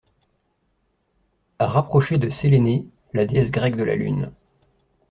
À rapprocher de Séléné, la déesse grecque de la Lune.